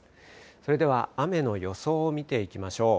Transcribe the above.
それでは雨の予想を見ていきましょう。